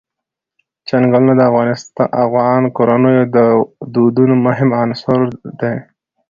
چنګلونه د افغان کورنیو د دودونو مهم عنصر دی.